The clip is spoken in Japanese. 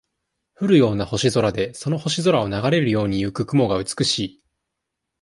降るような星空で、その星空を流れるように行く雲が美しい。